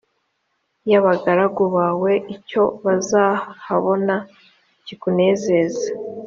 y abagaragu bawe icyo bazahabona kikunezeza